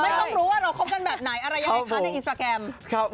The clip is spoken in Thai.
ต้องรู้ว่าเราคบกันแบบไหนอะไรใหญ่คะ